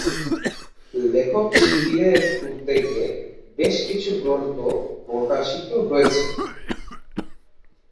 লেখক শিবিরের উদ্যোগে বেশ কিছু গ্রন্থ প্রকাশিত হয়েছে।